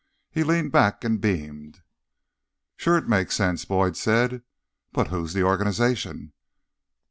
He leaned back and beamed. "Sure it makes sense," Boyd said. "But who's the organization?"